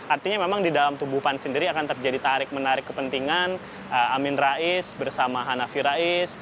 artinya memang di dalam tubuh pan sendiri akan terjadi tarik menarik kepentingan amin rais bersama hanafi rais